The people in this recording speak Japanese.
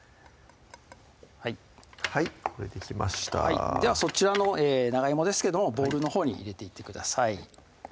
はいはいこれできましたではそちらの長いもですけどボウルのほうに入れていってください